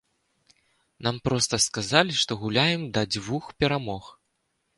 Нам проста сказалі, што гуляем да дзвюх перамог.